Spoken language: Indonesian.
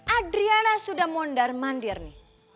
adriana sudah mondar mandir nih